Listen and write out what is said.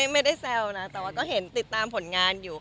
ไม่ได้แซวนะแต่ว่าก็เห็นติดตามผลงานอยู่